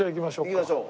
行きましょう。